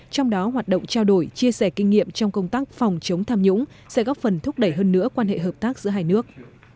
trong đó hoạt động trao đổi chia sẻ kinh nghiệm trong công tác phòng chống tham nhũng sẽ góp phần thúc đẩy hơn nữa quan hệ hợp tác giữa hai nước